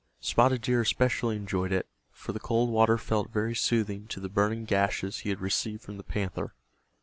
Spotted Deer especially enjoyed it, for the cold water felt very soothing to the burning gashes he had received from the panther.